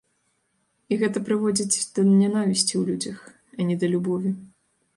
І гэта прыводзіць да нянавісці ў людзях, а не да любові.